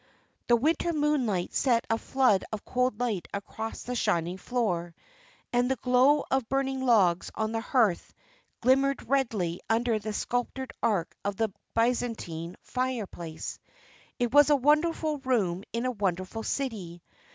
The winter moonlight sent a flood of cold light across the shining floor, and the glow of burning logs on the hearth glimmered redly under the sculptured arch of the Byzantine fireplace. It was a wonderful room in a wonderful city.